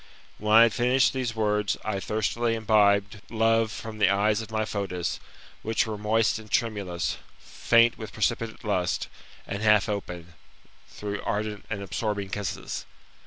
When I had finished these words, I thirstily imbibed love from the eyes of my Fotis, which were moist and tremulous, faint with precipitate lust, and half open, through ardent and absorbing kisses.